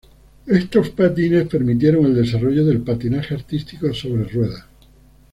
Estos patines permitieron el desarrollo del patinaje artístico sobre ruedas.